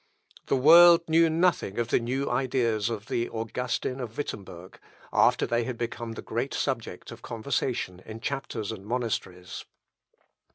The world knew nothing of the new ideas of the Augustin of Wittemberg, after they had become the great subject of conversation in chapters and monasteries.